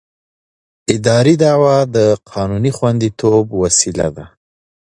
اداري دعوه د قانوني خوندیتوب وسیله ده.